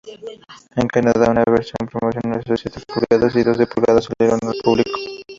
En Canadá, una versión promocional de siete pulgadas y doce pulgadas salieron al público.